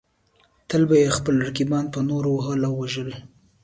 تل به یې خپل رقیبان په نورو وهل او وژل.